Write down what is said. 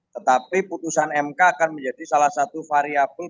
tetapi putusan mk akan menjadi salah satu variable